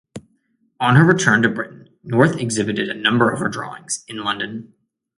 On her return to Britain, North exhibited a number of her drawings in London.